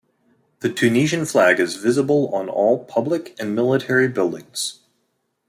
The Tunisian flag is visible on all public and military buildings.